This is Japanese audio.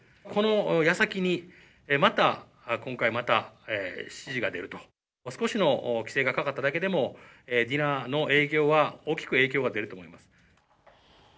このやさきに、また、今回また指示が出ると、少しの規制がかかっただけでも、ディナーの営業は大きく影響が出ると思います。